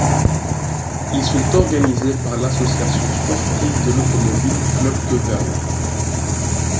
Ils sont organisés par l'Association sportive de l'Automobile Club d'Auvergne.